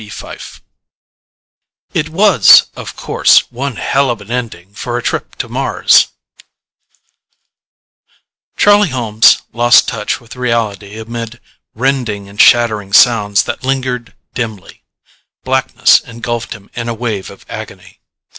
B. FYFE _It was, of course, one Hell of an ending for a trip to Mars _ Illustrated by Summers Charlie Holmes lost touch with reality amid rending and shattering sounds that lingered dimly. Blackness engulfed him in a wave of agony.